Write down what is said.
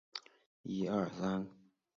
清朝及中华民国学者。